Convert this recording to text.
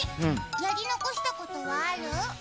やり残したことはある？